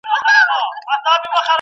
د علمي پوهې له لاري منابع ښه کارول کیږي.